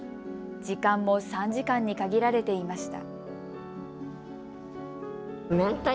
時間も３時間に限られていました。